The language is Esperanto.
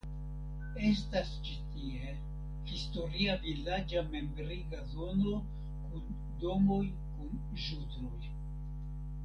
Estas ĉi tie historia vilaĝa memriga zono kun domoj kun ĵudroj.